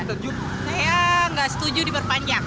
saya nggak setuju diperpanjang